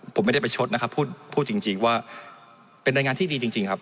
ผมไม่ได้ประชดนะครับพูดจริงว่าเป็นรายงานที่ดีจริงครับ